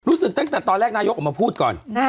ตั้งแต่ตอนแรกนายกออกมาพูดก่อน